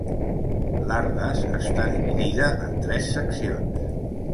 L'Ardas està dividida en tres seccions.